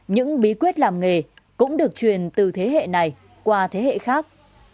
những bí quyết làm nghề cũng được truyền từ thế hệ này qua thế hệ khác